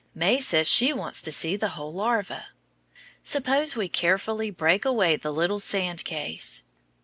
May says she wants to see the whole larva. Suppose we carefully break away the little sand case.